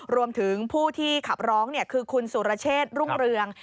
รวมถึงผู้ที่ขับร้องคือคุณสุรเชษฐรุ่งเรือง